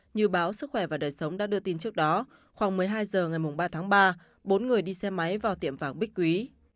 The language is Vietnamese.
như báo sức khỏe và đời sống đã đưa tin trước đó khoảng một mươi hai h ngày ba tháng ba bốn người đi xe máy vào tiệm vàng bích quý